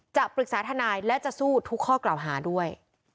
จะปรึกษาทนายและจะสู้ทุกข้อกล่าวหาด้วย